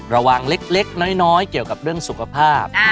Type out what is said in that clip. ระวังเล็กน้อยเกี่ยวกับเรื่องสุขภาพ